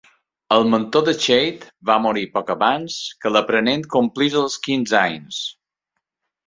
El mentor de Chade va morir poc abans que l'aprenent complís els quinze anys.